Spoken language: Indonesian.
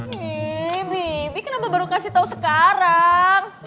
hmm bibi kenapa baru kasih tau sekarang